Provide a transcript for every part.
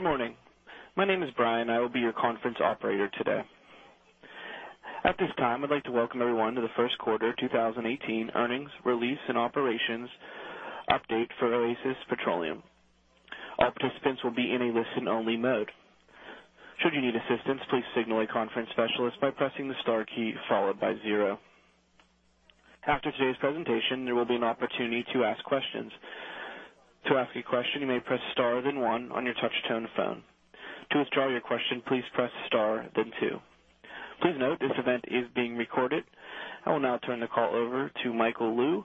Good morning. My name is Brian. I will be your conference operator today. At this time, I'd like to welcome everyone to the first quarter 2018 earnings release and operations update for Oasis Petroleum. All participants will be in a listen-only mode. Should you need assistance, please signal a conference specialist by pressing the star key followed by zero. After today's presentation, there will be an opportunity to ask questions. To ask a question, you may press star then one on your touch-tone phone. To withdraw your question, please press star then two. Please note, this event is being recorded. I will now turn the call over to Michael Lou,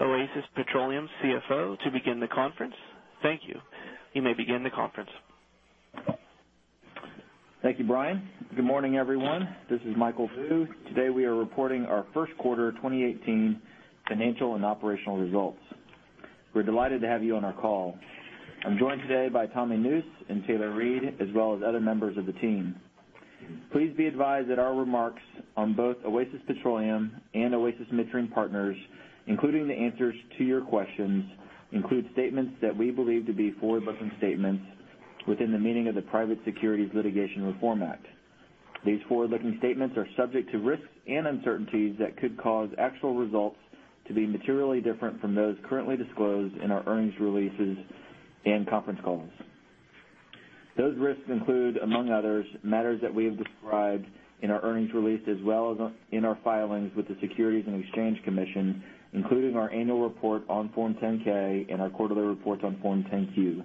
Oasis Petroleum CFO, to begin the conference. Thank you. You may begin the conference. Thank you, Brian. Good morning, everyone. This is Michael Lou. Today, we are reporting our first quarter 2018 financial and operational results. We're delighted to have you on our call. I'm joined today by Tommy Nusz and Taylor Reid, as well as other members of the team. Please be advised that our remarks on both Oasis Petroleum and Oasis Midstream Partners, including the answers to your questions, include statements that we believe to be forward-looking statements within the meaning of the Private Securities Litigation Reform Act. These forward-looking statements are subject to risks and uncertainties that could cause actual results to be materially different from those currently disclosed in our earnings releases and conference calls. Those risks include, among others, matters that we have described in our earnings release, as well as in our filings with the Securities and Exchange Commission, including our annual report on Form 10-K and our quarterly reports on Form 10-Q.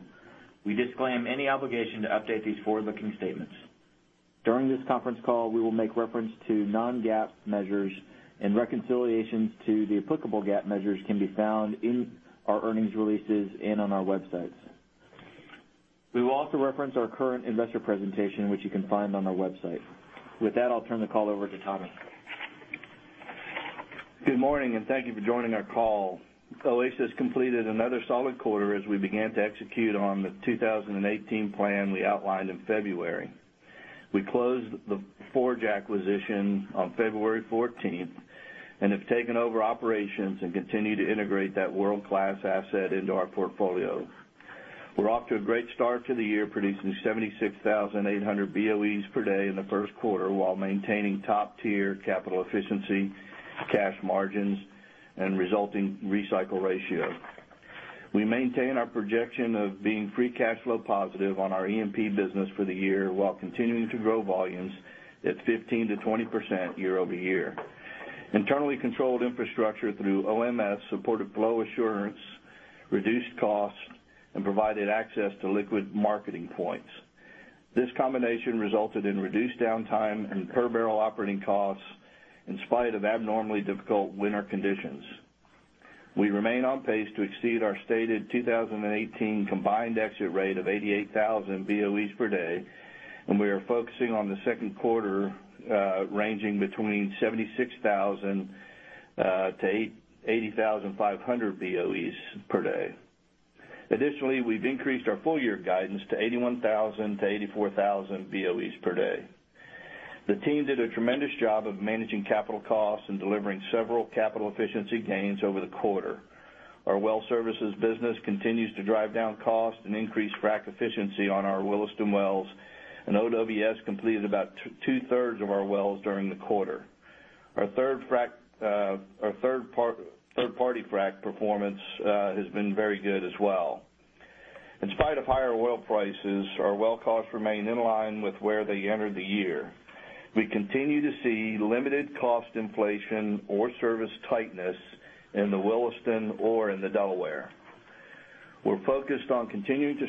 We disclaim any obligation to update these forward-looking statements. During this conference call, we will make reference to non-GAAP measures and reconciliations to the applicable GAAP measures can be found in our earnings releases and on our websites. We will also reference our current investor presentation, which you can find on our website. With that, I'll turn the call over to Tommy. Good morning. Thank you for joining our call. Oasis completed another solid quarter as we began to execute on the 2018 plan we outlined in February. We closed the Forge acquisition on February 14th and have taken over operations and continue to integrate that world-class asset into our portfolio. We're off to a great start to the year, producing 76,800 BOEs per day in the first quarter, while maintaining top-tier capital efficiency, cash margins, and resulting recycle ratio. We maintain our projection of being free cash flow positive on our E&P business for the year, while continuing to grow volumes at 15%-20% year-over-year. Internally controlled infrastructure through OMS supported flow assurance, reduced costs, and provided access to liquid marketing points. This combination resulted in reduced downtime and per-barrel operating costs in spite of abnormally difficult winter conditions. We remain on pace to exceed our stated 2018 combined exit rate of 88,000 BOEs per day, and we are focusing on the second quarter, ranging between 76,000 to 80,500 BOEs per day. Additionally, we have increased our full year guidance to 81,000 to 84,000 BOEs per day. The team did a tremendous job of managing capital costs and delivering several capital efficiency gains over the quarter. Our well services business continues to drive down costs and increase frac efficiency on our Williston wells, and OWS completed about two-thirds of our wells during the quarter. Our third-party frac performance has been very good as well. In spite of higher oil prices, our well costs remain in line with where they entered the year. We continue to see limited cost inflation or service tightness in the Williston or in the Delaware. We are focused on continuing to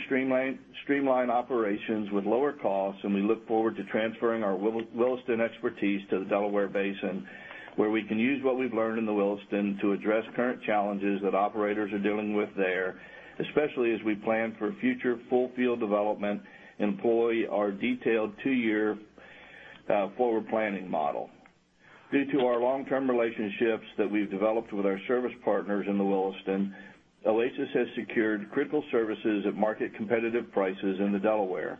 streamline operations with lower costs, and we look forward to transferring our Williston expertise to the Delaware Basin, where we can use what we have learned in the Williston to address current challenges that operators are dealing with there, especially as we plan for future full field development, employ our detailed two-year forward planning model. Due to our long-term relationships that we have developed with our service partners in the Williston, Oasis has secured critical services at market competitive prices in the Delaware.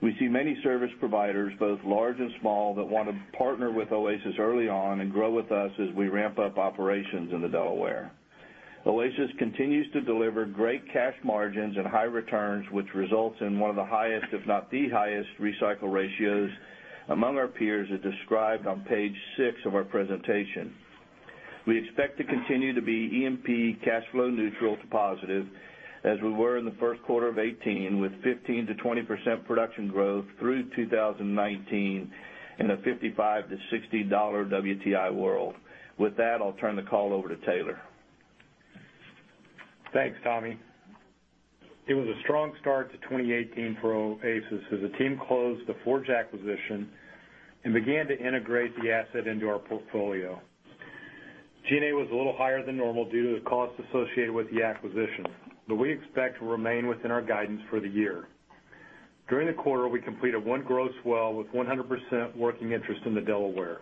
We see many service providers, both large and small, that want to partner with Oasis early on and grow with us as we ramp up operations in the Delaware. Oasis continues to deliver great cash margins and high returns, which results in one of the highest, if not the highest, recycle ratios among our peers, as described on page six of our presentation. We expect to continue to be E&P cash flow neutral to positive, as we were in the first quarter of 2018, with 15%-20% production growth through 2019 in a $55-$60 WTI world. With that, I will turn the call over to Taylor. Thanks, Tommy. It was a strong start to 2018 for Oasis as the team closed the Forge acquisition and began to integrate the asset into our portfolio. G&A was a little higher than normal due to the costs associated with the acquisition, but we expect to remain within our guidance for the year. During the quarter, we completed one gross well with 100% working interest in the Delaware.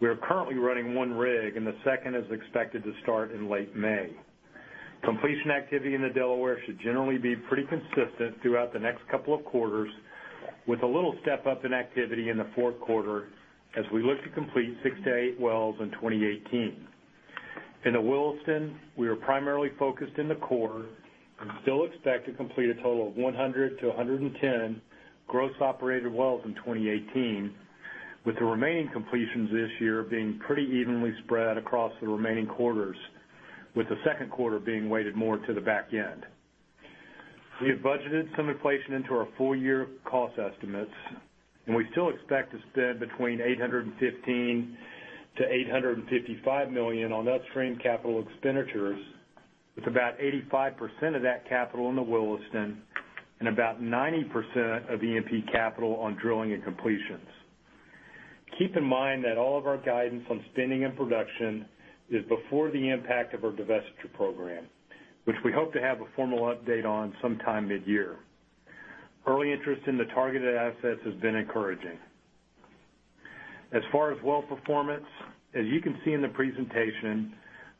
We are currently running one rig, and the second is expected to start in late May. Completion activity in the Delaware should generally be pretty consistent throughout the next couple of quarters, with a little step-up in activity in the fourth quarter as we look to complete six to eight wells in 2018. In the Williston, we are primarily focused in the core and still expect to complete a total of 100 to 110 gross operated wells in 2018, with the remaining completions this year being pretty evenly spread across the remaining quarters, with the second quarter being weighted more to the back end. We have budgeted some inflation into our full-year cost estimates. We still expect to spend between $815 million-$855 million on upstream capital expenditures, with about 85% of that capital in the Williston and about 90% of E&P capital on drilling and completions. Keep in mind that all of our guidance on spending and production is before the impact of our divestiture program, which we hope to have a formal update on sometime mid-year. Early interest in the targeted assets has been encouraging. As far as well performance, as you can see in the presentation,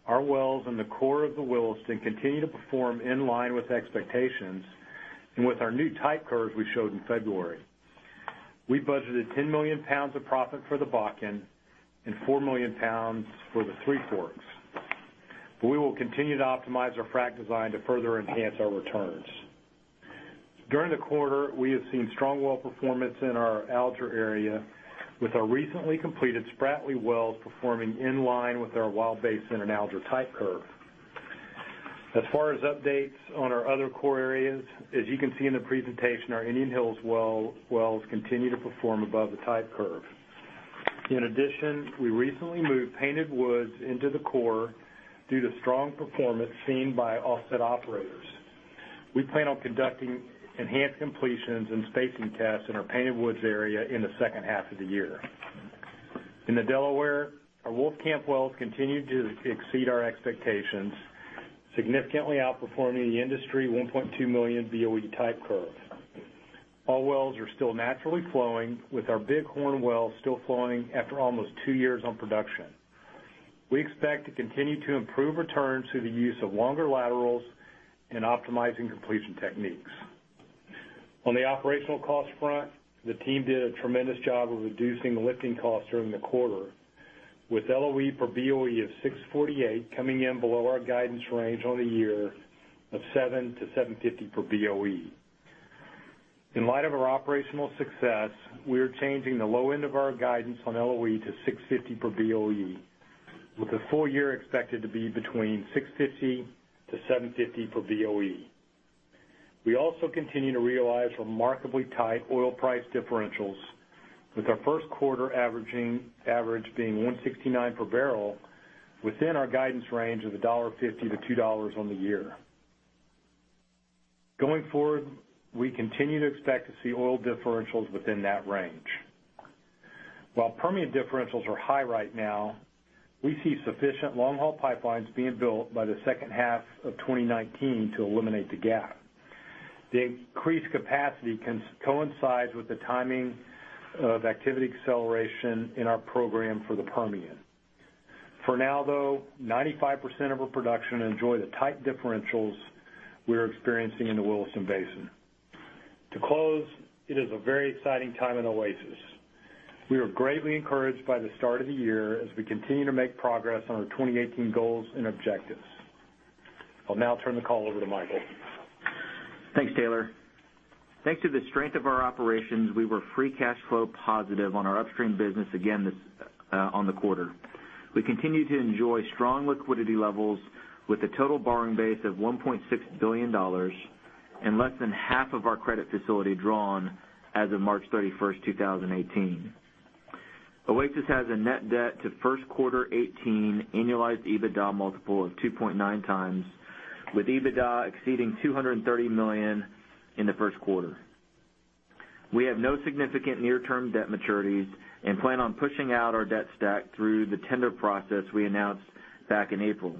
our wells in the core of the Williston continue to perform in line with expectations and with our new type curves we showed in February. We budgeted 10 million pounds of proppant for the Bakken and four million pounds for the Three Forks. We will continue to optimize our frac design to further enhance our returns. During the quarter, we have seen strong well performance in our Alger area, with our recently completed Spratley wells performing in line with our Wild Basin and Alger type curve. As far as updates on our other core areas, as you can see in the presentation, our Indian Hills wells continue to perform above the type curve. In addition, we recently moved Painted Woods into the core due to strong performance seen by offset operators. We plan on conducting enhanced completions and spacing tests in our Painted Woods area in the second half of the year. In the Delaware, our Wolfcamp wells continue to exceed our expectations, significantly outperforming the industry 1.2 million BOE type curves. All wells are still naturally flowing, with our Bighorn well still flowing after almost two years on production. We expect to continue to improve returns through the use of longer laterals and optimizing completion techniques. On the operational cost front, the team did a tremendous job of reducing lifting costs during the quarter, with LOE per BOE of $6.48 coming in below our guidance range on the year of $7.00-$7.50 per BOE. In light of our operational success, we are changing the low end of our guidance on LOE to $6.50 per BOE, with the full year expected to be between $6.50-$7.50 per BOE. We also continue to realize remarkably tight oil price differentials, with our first quarter average being $1.69 per barrel within our guidance range of $1.50-$2.00 on the year. Going forward, we continue to expect to see oil differentials within that range. While Permian differentials are high right now, we see sufficient long-haul pipelines being built by the second half of 2019 to eliminate the gap. The increased capacity coincides with the timing of activity acceleration in our program for the Permian. For now, though, 95% of our production enjoy the tight differentials we are experiencing in the Williston Basin. To close, it is a very exciting time in Oasis. We are greatly encouraged by the start of the year as we continue to make progress on our 2018 goals and objectives. I'll now turn the call over to Michael. Thanks, Taylor. Thanks to the strength of our operations, we were free cash flow positive on our upstream business again on the quarter. We continue to enjoy strong liquidity levels with a total borrowing base of $1.6 billion and less than half of our credit facility drawn as of March 31, 2018. Oasis has a net debt to first quarter 2018 annualized EBITDA multiple of 2.9 times, with EBITDA exceeding $230 million in the first quarter. We have no significant near-term debt maturities and plan on pushing out our debt stack through the tender process we announced back in April.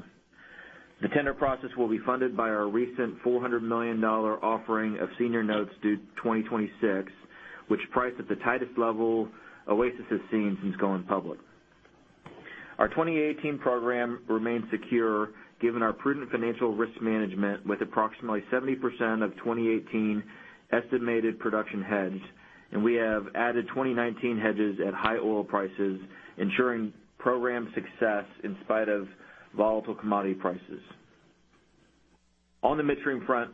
The tender process will be funded by our recent $400 million offering of senior notes due 2026, which price at the tightest level Oasis has seen since going public. Our 2018 program remains secure given our prudent financial risk management with approximately 70% of 2018 estimated production hedged, and we have added 2019 hedges at high oil prices, ensuring program success in spite of volatile commodity prices. On the midstream front,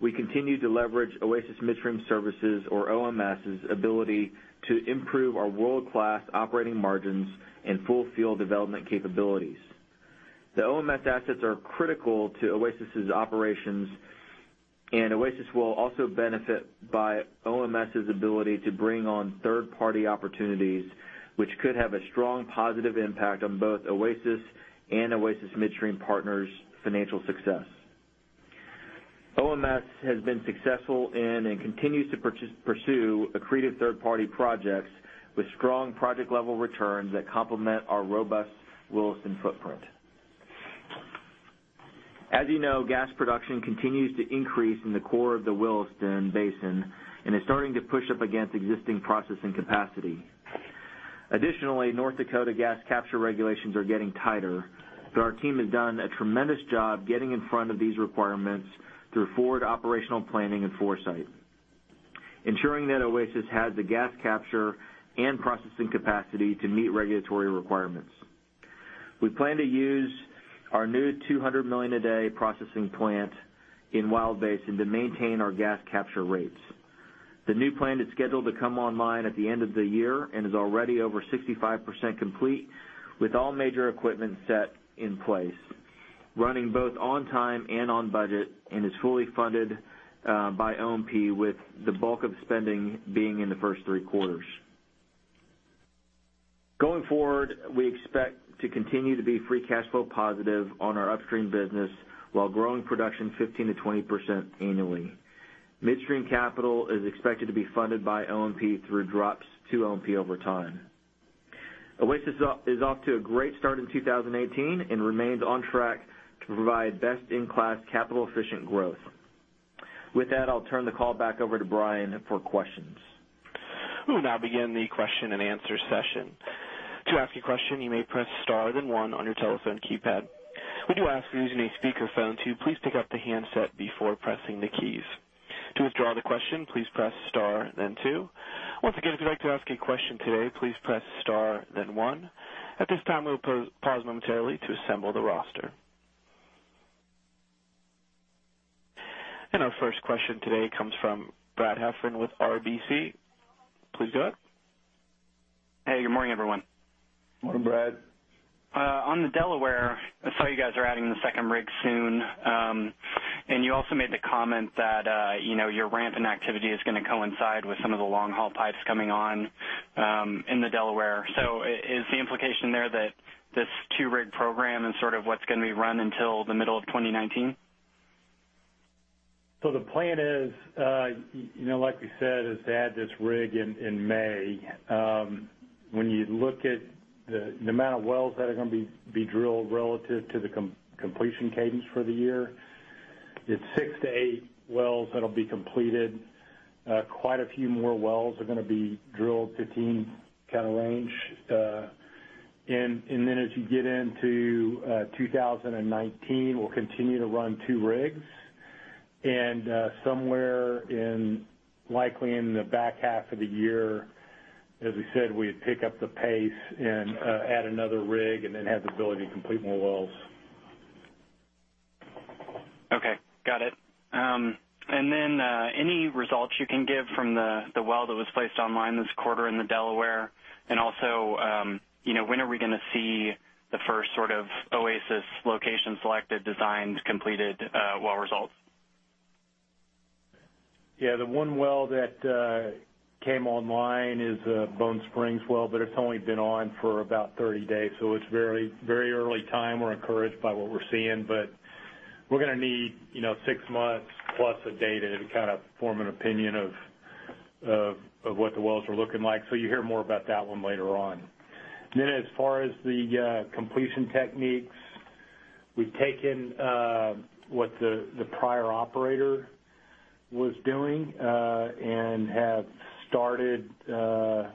we continue to leverage Oasis Midstream Services or OMS's ability to improve our world-class operating margins and full field development capabilities. The OMS assets are critical to Oasis's operations, and Oasis will also benefit by OMS' ability to bring on third-party opportunities, which could have a strong positive impact on both Oasis and Oasis Midstream Partners' financial success. OMS has been successful in and continues to pursue accretive third-party projects with strong project-level returns that complement our robust Williston footprint. As you know, gas production continues to increase in the core of the Williston Basin and is starting to push up against existing processing capacity. Additionally, North Dakota gas capture regulations are getting tighter, but our team has done a tremendous job getting in front of these requirements through forward operational planning and foresight. Ensuring that Oasis has the gas capture and processing capacity to meet regulatory requirements. We plan to use our new 200 million a day processing plant in Wild Basin to maintain our gas capture rates. The new plant is scheduled to come online at the end of the year and is already over 65% complete, with all major equipment set in place, running both on time and on budget, and is fully funded by OMP with the bulk of spending being in the first three quarters. Going forward, we expect to continue to be free cash flow positive on our upstream business while growing production 15%-20% annually. Midstream capital is expected to be funded by OMP through drops to OMP over time. Oasis is off to a great start in 2018 and remains on track to provide best-in-class capital efficient growth. With that, I'll turn the call back over to Brian for questions. We'll now begin the question and answer session. To ask a question, you may press star then one on your telephone keypad. We do ask if you're using a speakerphone to please pick up the handset before pressing the keys. To withdraw the question, please press star then two. Once again, if you'd like to ask a question today, please press star then one. At this time, we'll pause momentarily to assemble the roster. Our first question today comes from Brad Heffern with RBC. Please go ahead. Hey, good morning, everyone. Morning, Brad. On the Delaware, I saw you guys are adding the second rig soon. You also made the comment that your ramping activity is going to coincide with some of the long-haul pipes coming on in the Delaware. Is the implication there that this two-rig program is sort of what's going to be run until the middle of 2019? The plan is, like we said, is to add this rig in May. When you look at the amount of wells that are going to be drilled relative to the completion cadence for the year, it's six to eight wells that'll be completed. Quite a few more wells are going to be drilled, 15 kind of range. Then as you get into 2019, we'll continue to run two rigs, and somewhere likely in the back half of the year, as we said, we'd pick up the pace and add another rig and then have the ability to complete more wells. Okay. Got it. Then any results you can give from the well that was placed online this quarter in the Delaware? Also, when are we going to see the first sort of Oasis location selected designs completed well results? Yeah. The one well that came online is Bone Spring well, but it's only been on for about 30 days, so it's very early time. We're encouraged by what we're seeing, but we're going to need 6 months plus of data to form an opinion of what the wells are looking like. You'll hear more about that one later on. As far as the completion techniques, we've taken what the prior operator was doing, and have started to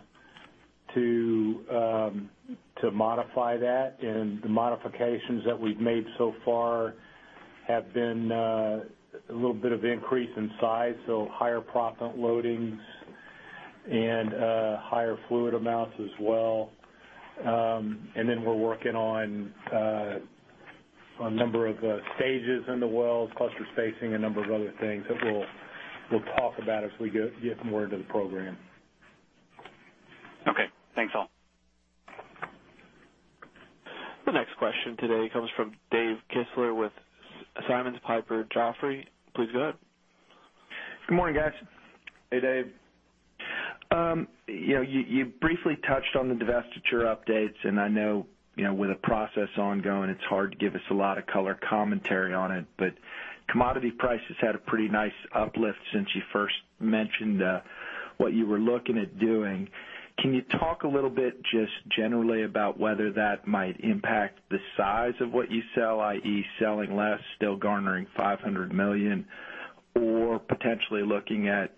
modify that, and the modifications that we've made so far have been a little bit of increase in size, so higher proppant loadings and higher fluid amounts as well. We're working on a number of stages in the wells, cluster spacing, a number of other things that we'll talk about as we get more into the program. Okay. Thanks all. The next question today comes from Dave Kistler with Simmons Piper Jaffray. Please go ahead. Good morning, guys. Hey, Dave. You briefly touched on the divestiture updates, I know with the process ongoing, it's hard to give us a lot of color commentary on it. Commodity prices had a pretty nice uplift since you first mentioned what you were looking at doing. Can you talk a little bit just generally about whether that might impact the size of what you sell, i.e., selling less, still garnering $500 million, or potentially looking at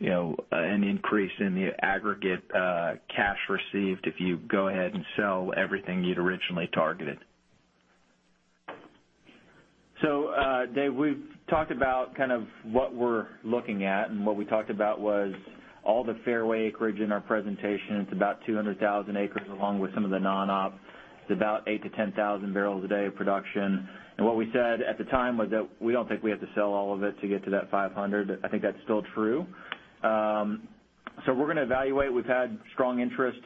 an increase in the aggregate cash received if you go ahead and sell everything you'd originally targeted? Dave, we've talked about what we're looking at, what we talked about was all the fairway acreage in our presentation. It's about 200,000 acres along with some of the non-op. It's about 8,000 to 10,000 barrels a day of production. What we said at the time was that we don't think we have to sell all of it to get to that $500. I think that's still true. We're going to evaluate. We've had strong interest.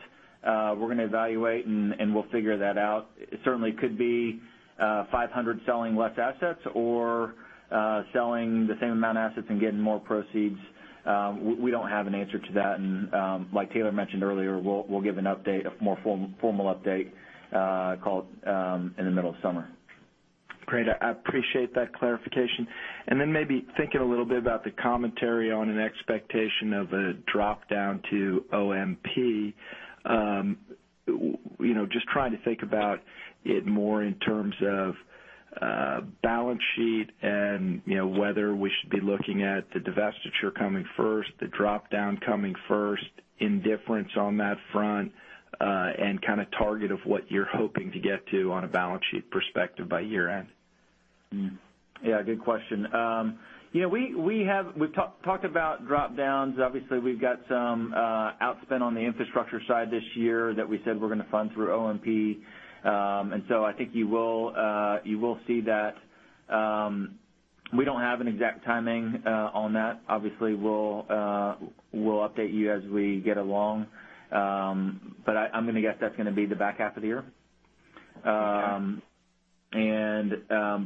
We're going to evaluate, and we'll figure that out. It certainly could be $500 selling less assets or selling the same amount of assets and getting more proceeds. We don't have an answer to that. Like Taylor mentioned earlier, we'll give an update, a more formal update call in the middle of summer. Great. I appreciate that clarification. Then maybe thinking a little bit about the commentary on an expectation of a drop-down to OMP. Just trying to think about it more in terms of balance sheet and whether we should be looking at the divestiture coming first, the drop-down coming first, indifference on that front, and target of what you're hoping to get to on a balance sheet perspective by year-end. Yeah, good question. We've talked about drop-downs. Obviously, we've got some outspend on the infrastructure side this year that we said we're going to fund through OMP. I think you will see that. We don't have an exact timing on that. Obviously, we'll update you as we get along. I'm going to guess that's going to be the back half of the year. Okay.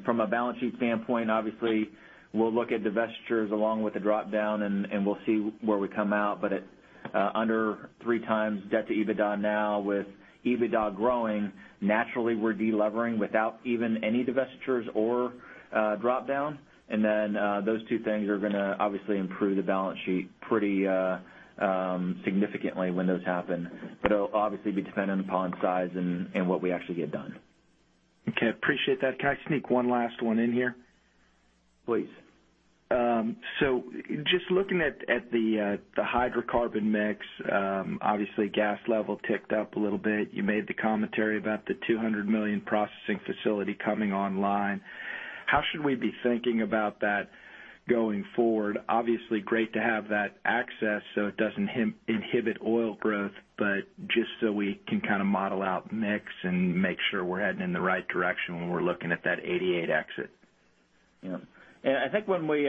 From a balance sheet standpoint, obviously, we'll look at divestitures along with the drop-down, and we'll see where we come out. At under three times debt to EBITDA now with EBITDA growing, naturally we're de-levering without even any divestitures or drop-down. Those two things are going to obviously improve the balance sheet pretty significantly when those happen. It'll obviously be dependent upon size and what we actually get done. Okay. Appreciate that. Can I sneak one last one in here? Please. Just looking at the hydrocarbon mix, obviously gas level ticked up a little bit. You made the commentary about the 200 million processing facility coming online. How should we be thinking about that going forward? Obviously great to have that access so it doesn't inhibit oil growth, just so we can kind of model out mix and make sure we're heading in the right direction when we're looking at that 88 exit. Yeah. I think when we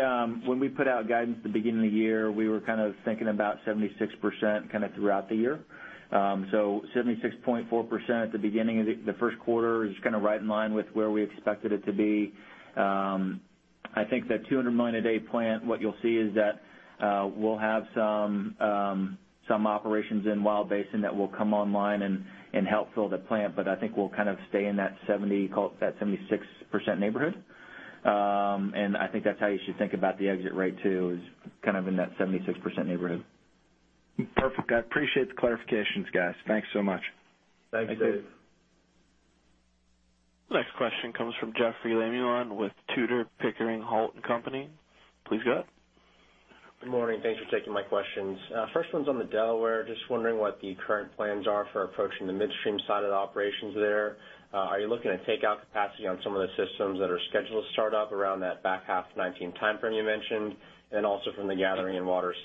put out guidance at the beginning of the year, we were thinking about 76% kind of throughout the year. 76.4% at the beginning of the first quarter is right in line with where we expected it to be. I think that 200 million a day plant, what you'll see is that we'll have some operations in Wild Basin that will come online and help fill the plant. I think we'll kind of stay in that 76% neighborhood. I think that's how you should think about the exit rate too, is kind of in that 76% neighborhood. Perfect. I appreciate the clarifications, guys. Thanks so much. Thanks, Dave. Thank you. Next question comes from Jeoffrey Lambujon with Tudor, Pickering, Holt & Co.. Please go ahead. Good morning. Thanks for taking my questions. First one's on the Delaware. Just wondering what the current plans are for approaching the midstream side of the operations there. Are you looking to take out capacity on some of the systems that are scheduled to start up around that back half 2019 timeframe you mentioned? Also from the gathering and water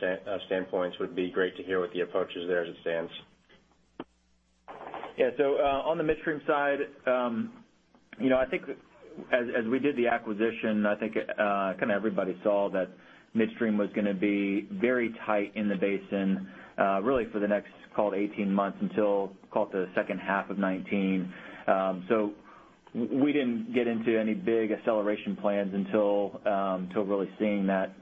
standpoints, would be great to hear what the approach is there as it stands. On the midstream side, as we did the acquisition, everybody saw that midstream was going to be very tight in the basin really for the next call it 18 months until call it the second half of 2019. We didn't get into any big acceleration plans until really seeing that.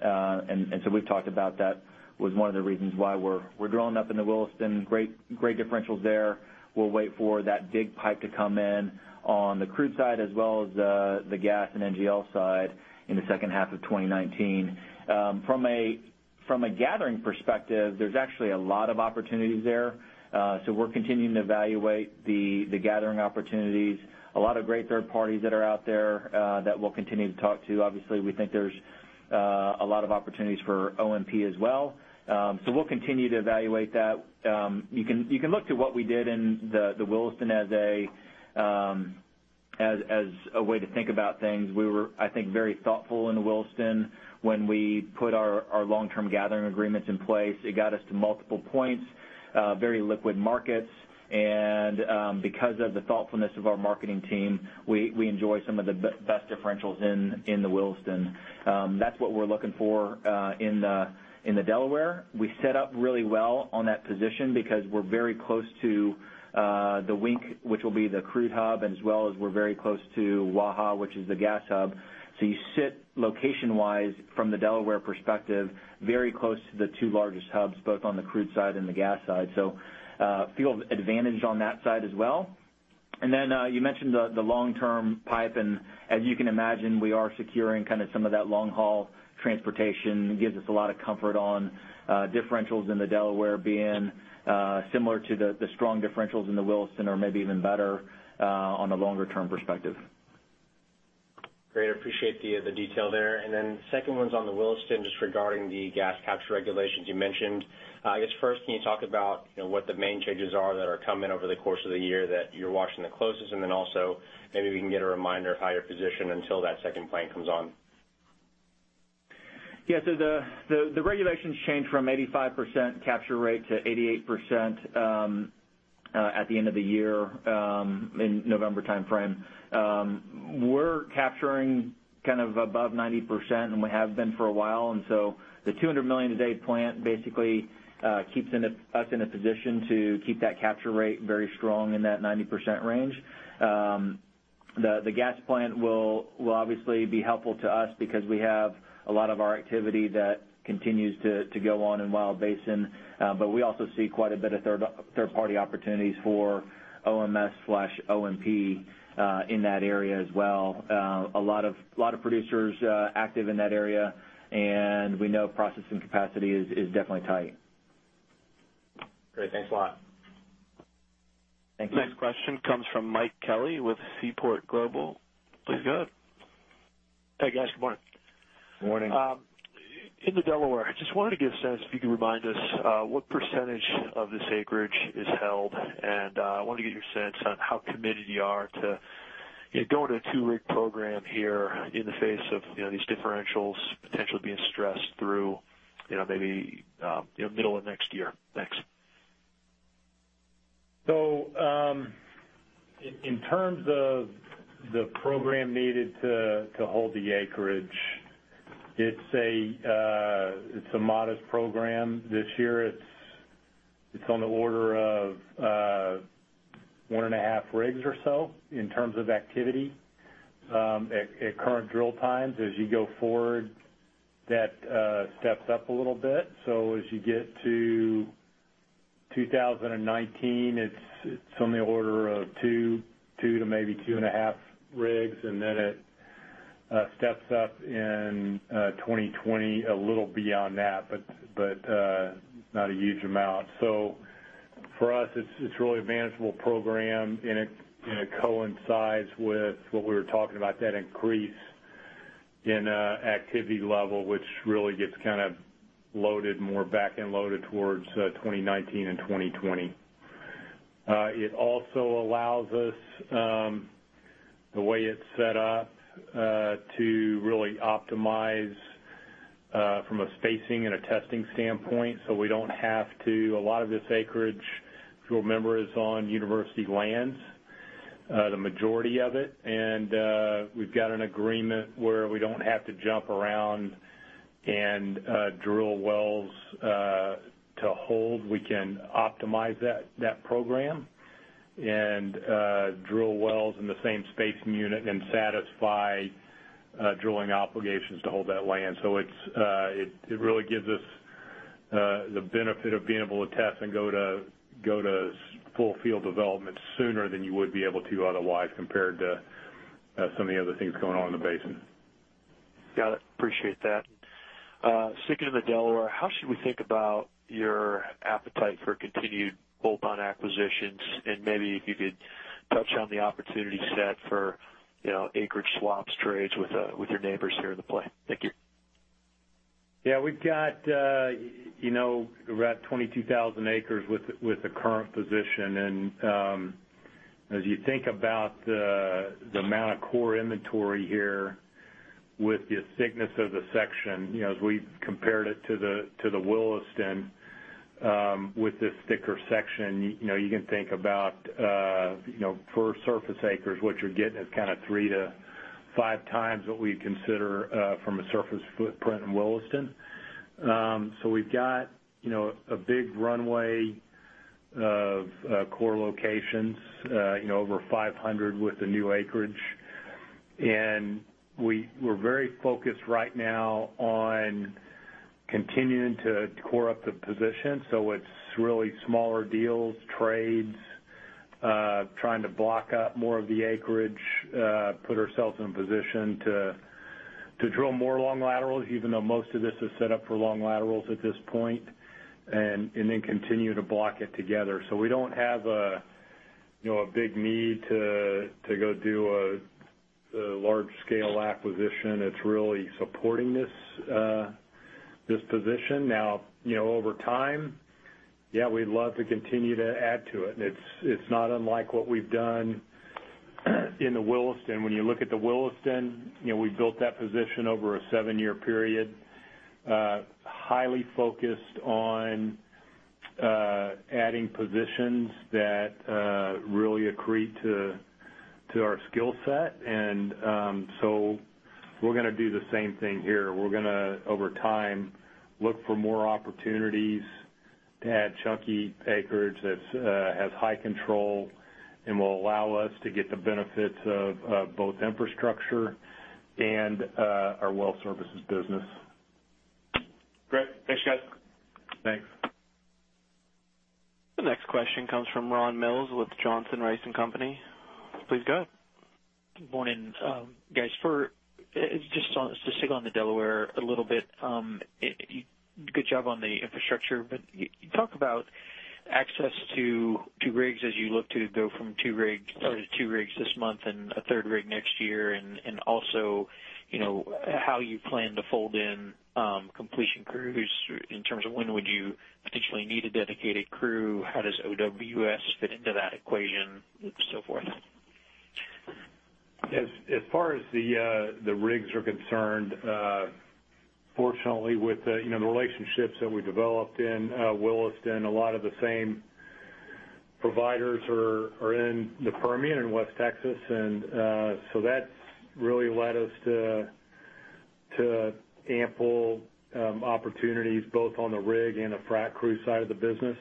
We've talked about that was one of the reasons why we're growing up in the Williston. Great differentials there. We'll wait for that big pipe to come in on the crude side as well as the gas and NGL side in the second half of 2019. From a gathering perspective, there's actually a lot of opportunities there. We're continuing to evaluate the gathering opportunities. A lot of great third parties that are out there that we'll continue to talk to. Obviously, we think there's a lot of opportunities for OMP as well. We'll continue to evaluate that. You can look to what we did in the Williston as a way to think about things. We were, I think, very thoughtful in the Williston when we put our long-term gathering agreements in place. It got us to multiple points, very liquid markets, and because of the thoughtfulness of our marketing team, we enjoy some of the best differentials in the Williston. That's what we're looking for in the Delaware. We set up really well on that position because we're very close to the Wink, which will be the crude hub, and as well as we're very close to Waha, which is the gas hub. You sit location-wise from the Delaware perspective, very close to the two largest hubs, both on the crude side and the gas side. Feel advantaged on that side as well. You mentioned the long-term pipe, and as you can imagine, we are securing some of that long-haul transportation. It gives us a lot of comfort on differentials in the Delaware being similar to the strong differentials in the Williston or maybe even better on a longer-term perspective. Great. Appreciate the detail there. Second one's on the Williston, just regarding the gas capture regulations you mentioned. I guess first, can you talk about what the main changes are that are coming over the course of the year that you're watching the closest? Also maybe we can get a reminder of how you're positioned until that second plant comes on. The regulations change from 85% capture rate to 88% at the end of the year, in November timeframe. We're capturing above 90%, and we have been for a while, the 200 million a day plant basically keeps us in a position to keep that capture rate very strong in that 90% range. The gas plant will obviously be helpful to us because we have a lot of our activity that continues to go on in Wild Basin. We also see quite a bit of third-party opportunities for OMS/OMP in that area as well. A lot of producers active in that area, and we know processing capacity is definitely tight. Great. Thanks a lot. Thank you. Next question comes from Mike Kelly with Seaport Global. Please go ahead. Hey, guys. Good morning. Morning. In the Delaware, I just wanted to get a sense, if you could remind us what percentage of this acreage is held, and I wanted to get your sense on how committed you are to going to a two-rig program here in the face of these differentials potentially being stressed through maybe middle of next year. Thanks. In terms of the program needed to hold the acreage, it's a modest program. This year, it's on the order of one and a half rigs or so in terms of activity at current drill times. As you go forward, that steps up a little bit. As you get to 2019, it's on the order of two to maybe two and a half rigs, and then it steps up in 2020, a little beyond that, but not a huge amount. For us, it's really a manageable program, and it coincides with what we were talking about, that increase in activity level, which really gets more back-end loaded towards 2019 and 2020. It also allows us, the way it's set up, to really optimize from a spacing and a testing standpoint. A lot of this acreage, if you'll remember, is on University Lands, the majority of it. We've got an agreement where we don't have to jump around and drill wells to hold. We can optimize that program and drill wells in the same spacing unit and satisfy drilling obligations to hold that land. It really gives us the benefit of being able to test and go to full field development sooner than you would be able to otherwise, compared to some of the other things going on in the basin. Got it. Appreciate that. Sticking to the Delaware, how should we think about your appetite for continued bolt-on acquisitions? Maybe if you could touch on the opportunity set for acreage swaps, trades with your neighbors here in the play. Thank you. We've got around 22,000 acres with the current position. As you think about the amount of core inventory here with the thickness of the section, as we compared it to the Williston with this thicker section, you can think about per surface acres, what you're getting is three to five times what we'd consider from a surface footprint in Williston. We've got a big runway of core locations, over 500 with the new acreage. We're very focused right now on continuing to core up the position. It's really smaller deals, trades, trying to block out more of the acreage, put ourselves in a position to drill more long laterals, even though most of this is set up for long laterals at this point, and then continue to block it together. We don't have a big need to go do a large-scale acquisition. It's really supporting this position. Over time, yeah, we'd love to continue to add to it. It's not unlike what we've done in the Williston. When you look at the Williston, we built that position over a seven-year period. Highly focused on adding positions that really accrete to our skill set. We're going to do the same thing here. We're going to, over time, look for more opportunities to add chunky acreage that has high control and will allow us to get the benefits of both infrastructure and our well services business. Great. Thanks, guys. Thanks. The next question comes from Ron Mills with Johnson Rice & Company. Please go ahead. Morning, guys. Just to stick on the Delaware a little bit. Good job on the infrastructure. Can you talk about access to two rigs as you look to go from two rigs this month and a third rig next year, and also, how you plan to fold in completion crews in terms of when would you potentially need a dedicated crew, how does OWS fit into that equation, and so forth? As far as the rigs are concerned, fortunately with the relationships that we developed in Williston, a lot of the same providers are in the Permian in West Texas. That's really led us to ample opportunities both on the rig and the frac crew side of the business.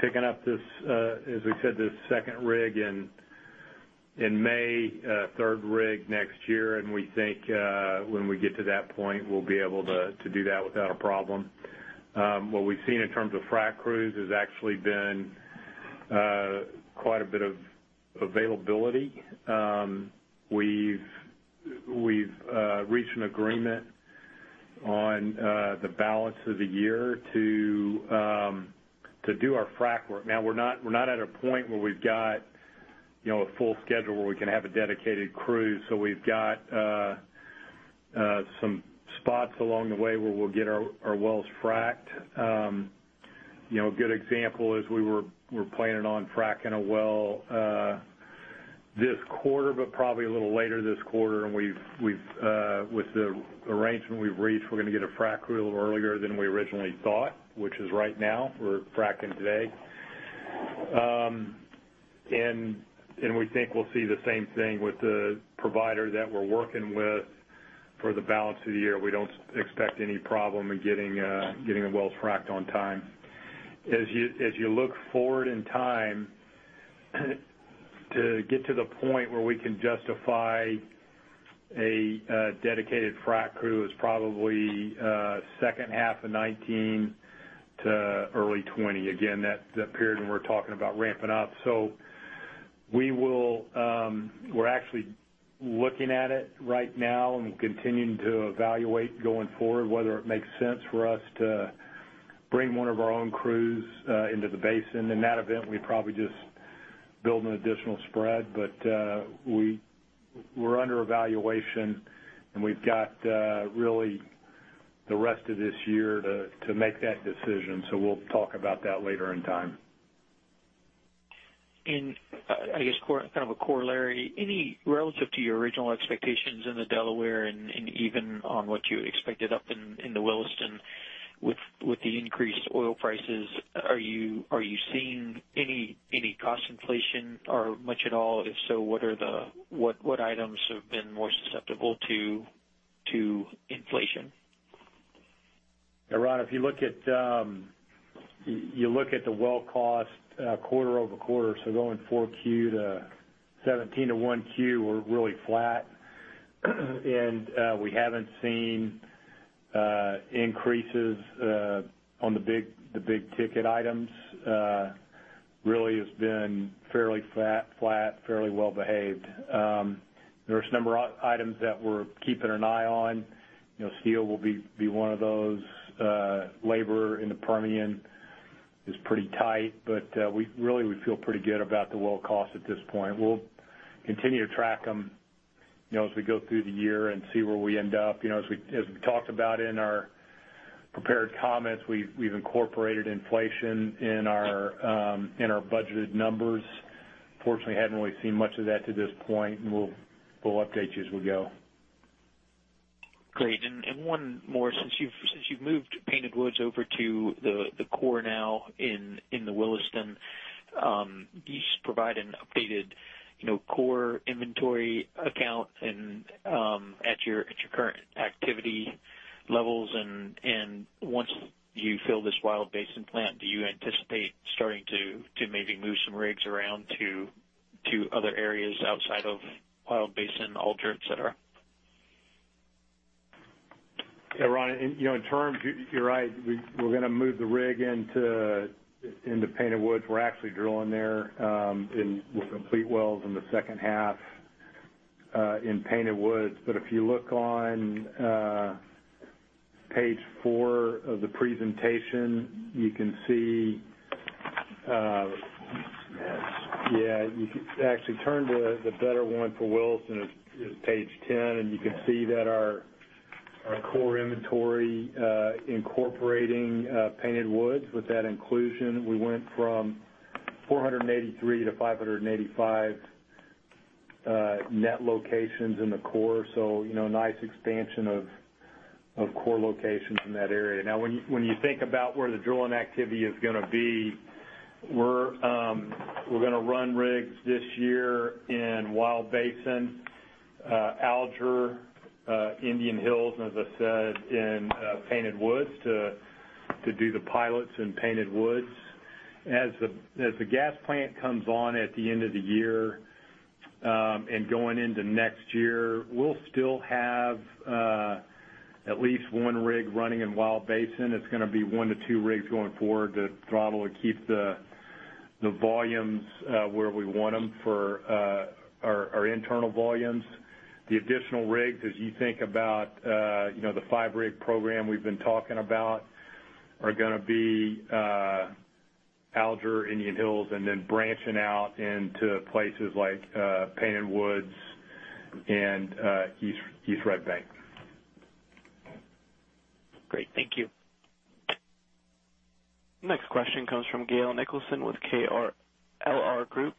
Picking up this, as we said, this second rig in May, third rig next year, and we think when we get to that point, we'll be able to do that without a problem. What we've seen in terms of frac crews has actually been quite a bit of availability. We've reached an agreement on the balance of the year to do our frac work. We're not at a point where we've got a full schedule where we can have a dedicated crew. We've got some spots along the way where we'll get our wells fracked. A good example is we were planning on fracking a well this quarter, but probably a little later this quarter. With the arrangement we've reached, we're going to get a frac a little earlier than we originally thought, which is right now. We're fracking today. We think we'll see the same thing with the provider that we're working with for the balance of the year. We don't expect any problem in getting the wells fracked on time. As you look forward in time, to get to the point where we can justify a dedicated frac crew is probably second half of 2019 to early 2020. Again, that period when we're talking about ramping up. We're actually looking at it right now, and we're continuing to evaluate going forward, whether it makes sense for us to bring one of our own crews into the basin. In that event, we probably just build an additional spread. We're under evaluation, and we've got really the rest of this year to make that decision. We'll talk about that later in time. I guess, kind of a corollary, relative to your original expectations in the Delaware and even on what you expected up in the Williston, with the increased oil prices, are you seeing any cost inflation or much at all? If so, what items have been more susceptible to inflation? Ron, if you look at the well cost quarter-over-quarter, so going 4Q to 2017 to 1Q, we're really flat. We haven't seen increases on the big ticket items. Really, it's been fairly flat, fairly well-behaved. There's a number of items that we're keeping an eye on. Steel will be one of those. Labor in the Permian is pretty tight. Really, we feel pretty good about the well cost at this point. We'll continue to track them as we go through the year and see where we end up. As we talked about in our prepared comments, we've incorporated inflation in our budgeted numbers. Fortunately, we haven't really seen much of that to this point, and we'll update you as we go. Great. One more, since you've moved Painted Woods over to the core now in the Williston, can you just provide an updated core inventory account at your current activity levels? Once you fill this Wild Basin plant, do you anticipate starting to maybe move some rigs around to other areas outside of Wild Basin, Alger, et cetera? Ron, you're right. We're going to move the rig into Painted Woods. We're actually drilling there, and we'll complete wells in the second half in Painted Woods. If you look on page four of the presentation, you can see. Actually, turn to the better one for Williston. It's page 10. You can see that our core inventory incorporating Painted Woods, with that inclusion, we went from 483 to 585 net locations in the core. Nice expansion of core locations in that area. Now, when you think about where the drilling activity is going to be, we're going to run rigs this year in Wild Basin, Alger, Indian Hills, and as I said, in Painted Woods to do the pilots in Painted Woods. As the gas plant comes on at the end of the year and going into next year, we'll still have at least one rig running in Wild Basin. It's going to be one to two rigs going forward to throttle to keep the volumes where we want them for our internal volumes. The additional rigs, as you think about the five-rig program we've been talking about, are going to be Alger, Indian Hills, and then branching out into places like Painted Woods and East Red Bank. Great. Thank you. Next question comes from Gail Nicholson with KLR Group.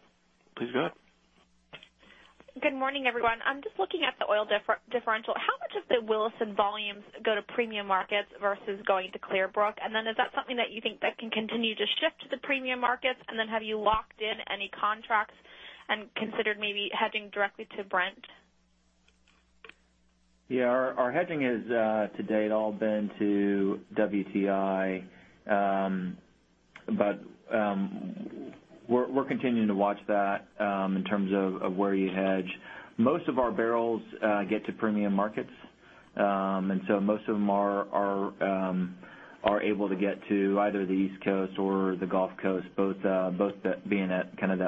Please go ahead. Good morning, everyone. I'm just looking at the oil differential. How much of the Williston volumes go to premium markets versus going to Clearbrook? Is that something that you think that can continue to shift to the premium markets? Have you locked in any contracts and considered maybe hedging directly to Brent? Yeah, our hedging has to date all been to WTI. We're continuing to watch that in terms of where you hedge. Most of our barrels get to premium markets. Most of them are able to get to either the East Coast or the Gulf Coast, both being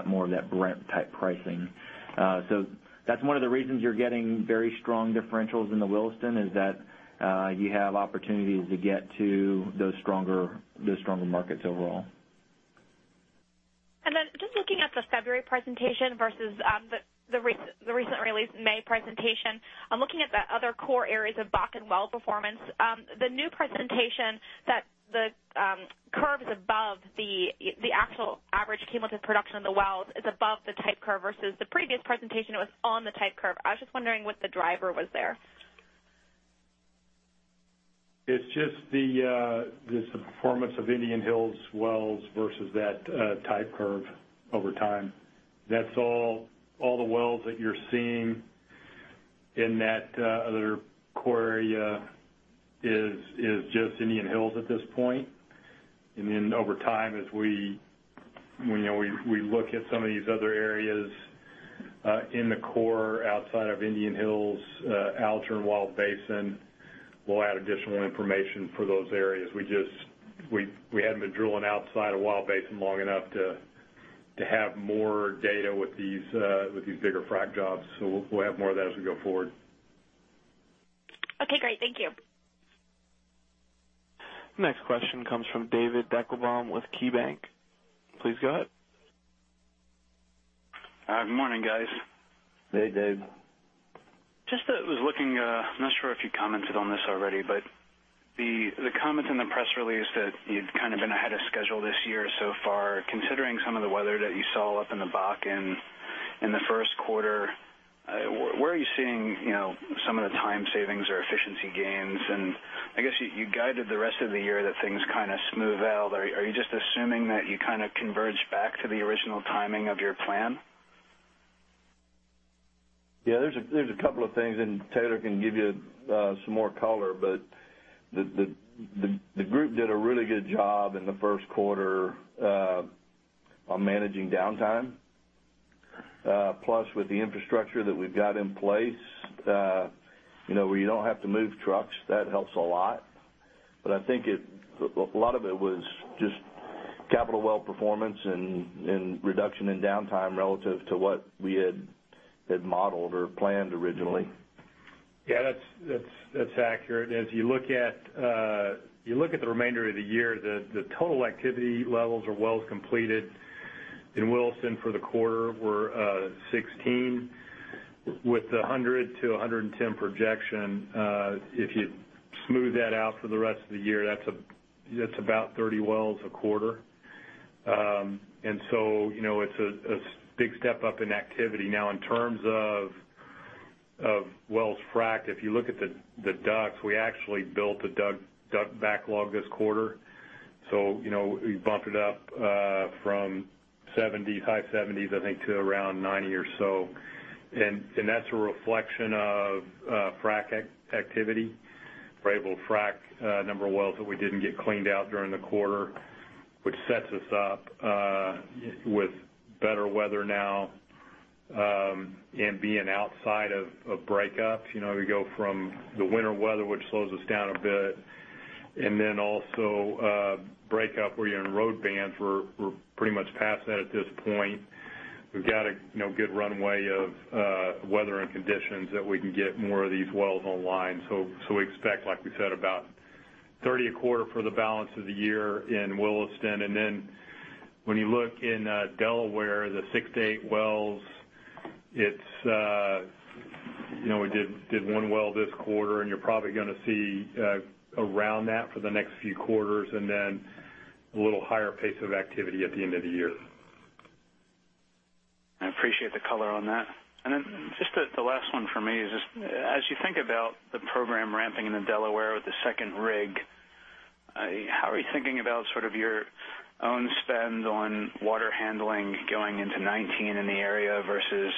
more of that Brent type pricing. That's one of the reasons you're getting very strong differentials in the Williston is that you have opportunities to get to those stronger markets overall. Looking at the February presentation versus the recent released May presentation, I'm looking at the other core areas of Bakken well performance. The new presentation that the curve is above the actual average cumulative production in the wells is above the type curve versus the previous presentation, it was on the type curve. I was just wondering what the driver was there. It's just the performance of Indian Hills wells versus that type curve over time. That's all the wells that you're seeing in that other core area is just Indian Hills at this point. Then over time, as we look at some of these other areas, in the core outside of Indian Hills, Alger and Wild Basin, we'll add additional information for those areas. We hadn't been drilling outside of Wild Basin long enough to have more data with these bigger frack jobs, we'll have more of that as we go forward. Okay, great. Thank you. The next question comes from David Deckelbaum with KeyBanc. Please go ahead. Good morning, guys. Hey, Dave. Just was looking, I'm not sure if you commented on this already. The comment in the press release that you'd been ahead of schedule this year so far. Considering some of the weather that you saw up in the Bakken in the first quarter, where are you seeing some of the time savings or efficiency gains? I guess you guided the rest of the year that things smooth out. Are you just assuming that you converge back to the original timing of your plan? Yeah, there's a couple of things. Taylor can give you some more color. The group did a really good job in the first quarter on managing downtime. Plus, with the infrastructure that we've got in place, where you don't have to move trucks, that helps a lot. I think a lot of it was just capital well performance and reduction in downtime relative to what we had modeled or planned originally. Yeah, that's accurate. As you look at the remainder of the year, the total activity levels or wells completed in Williston for the quarter were 16 with 100 to 110 projection. If you smooth that out for the rest of the year, that's about 30 wells a quarter. It's a big step up in activity. Now, in terms of wells fracked, if you look at the DUCs, we actually built a DUC backlog this quarter. We bumped it up from high 70s, I think, to around 90 or so. That's a reflection of frack activity. We're able to frack a number of wells that we didn't get cleaned out during the quarter, which sets us up with better weather now and being outside of breakups. We go from the winter weather, which slows us down a bit, and then also breakup, where you're in road bans. We're pretty much past that at this point. We've got a good runway of weather and conditions that we can get more of these wells online. We expect, like we said, about 30 a quarter for the balance of the year in Williston. When you look in Delaware, the six to eight wells, we did one well this quarter, and you're probably going to see around that for the next few quarters, and then a little higher pace of activity at the end of the year. I appreciate the color on that. Just the last one for me is just as you think about the program ramping in the Delaware with the second rig, how are you thinking about your own spend on water handling going into 2019 in the area versus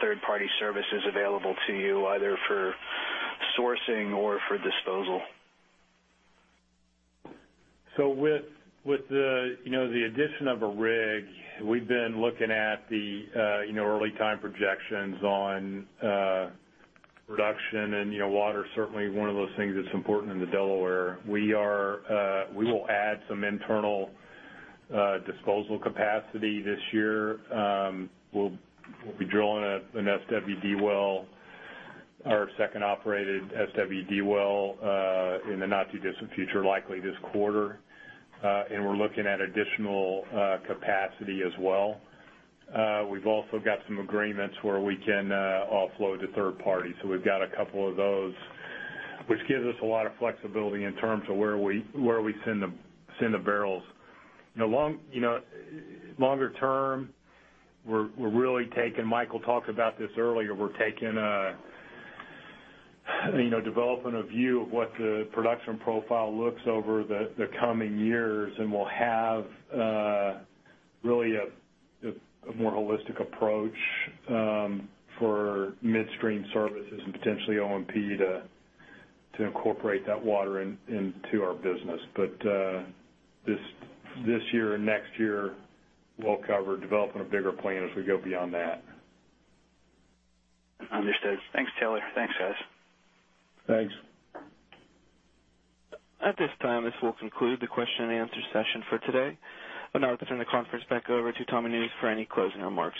third-party services available to you, either for sourcing or for disposal? With the addition of a rig, we've been looking at the early time projections on production, and water's certainly one of those things that's important in the Delaware. We will add some internal disposal capacity this year. We'll be drilling an SWD well, our second operated SWD well, in the not-too-distant future, likely this quarter. We're looking at additional capacity as well. We've also got some agreements where we can offload to third party. We've got a couple of those, which gives us a lot of flexibility in terms of where we send the barrels. Longer term, Michael talked about this earlier, we're developing a view of what the production profile looks over the coming years, and we'll have really a more holistic approach for midstream services and potentially OMP to incorporate that water into our business. This year and next year, well-covered, developing a bigger plan as we go beyond that. Understood. Thanks, Taylor. Thanks, guys. Thanks. At this time, this will conclude the question and answer session for today. I'll now turn the conference back over to Thomas Nusz for any closing remarks.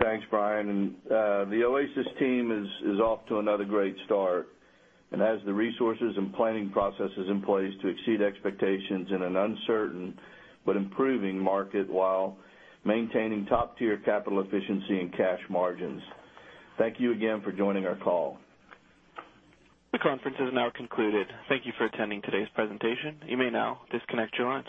Thanks, Brian. The Oasis team is off to another great start and has the resources and planning processes in place to exceed expectations in an uncertain but improving market while maintaining top-tier capital efficiency and cash margins. Thank you again for joining our call. The conference has now concluded. Thank you for attending today's presentation. You may now disconnect your lines.